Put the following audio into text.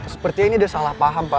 sepertinya ini ada salah paham pak